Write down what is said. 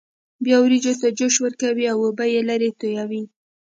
بیا وریجو ته جوش ورکوي او اوبه یې لرې تویوي.